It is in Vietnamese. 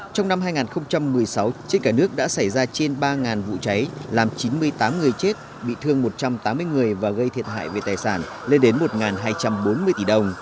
trong năm hai nghìn một mươi sáu trên cả nước đã xảy ra trên ba vụ cháy làm chín mươi tám người chết bị thương một trăm tám mươi người và gây thiệt hại về tài sản lên đến một hai trăm bốn mươi tỷ đồng